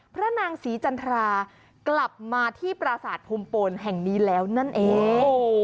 พระนางศรีจันทรากลับมาที่ปราศาสตร์ภูมิปนแห่งนี้แล้วนั่นเอง